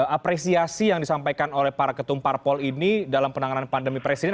apresiasi yang disampaikan oleh para ketumparpol ini dalam penanganan pandemi presiden